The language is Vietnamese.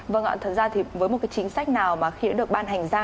vâng ạ thật ra thì với một cái chính sách nào mà khiến được ban hành ra